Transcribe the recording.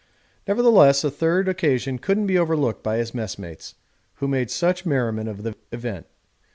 Nevertheless a third occasion couldn't be overlooked by his messmates, who made much merriment of the event.